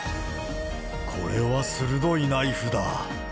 これは鋭いナイフだ！